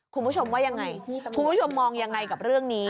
คุณผู้ชมว่ายังไงคุณผู้ชมมองยังไงกับเรื่องนี้